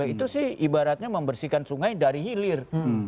itu sih ibaratnya membersihkan sungai dari hilir